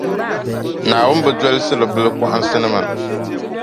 Naawuni bi dolsiri bilkɔɣinsinima.